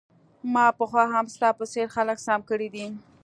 ما پخوا هم ستا په څیر خلک سم کړي دي